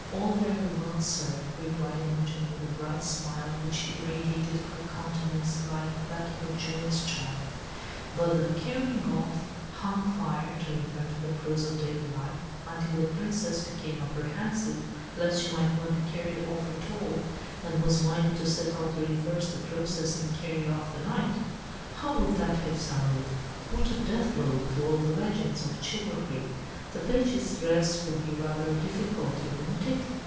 "All very well, sir," replied Imogen, with the bright smile which irradiated her countenance like that of a joyous child, "but the 'carrying off' 'hung fire' (to return to the prose of daily life), until the princess became apprehensive, lest she might not be carried off at all, and was minded to set out to reverse the process, and carry off the knight. How would that have sounded? What a deathblow to all the legends of chivalry! The page's dress would be rather a difficulty, wouldn't it?